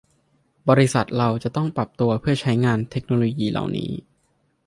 บริษัทเราจะต้องปรับตัวเพื่อใช้งานเทคโนโลยีเหล่านี้